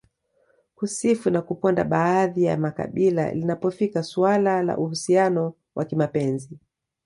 kusifu na kuponda baadhi ya makabila linapofika suala la uhusiano wa kimapenzi